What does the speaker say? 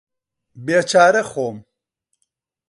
بێچارە خۆم